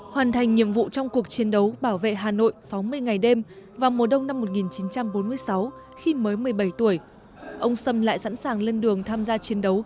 hoàn thành nhiệm vụ trong cuộc chiến đấu bảo vệ hà nội sáu mươi ngày đêm và mùa đông năm một nghìn chín trăm bốn mươi sáu khi mới một mươi bảy tuổi ông sâm lại sẵn sàng lên đường tham gia chiến đấu